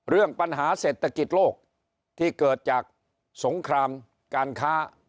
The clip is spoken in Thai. เรื่องปัญหาเศรษฐกิจโลกที่เกิดจากสงครามการค้า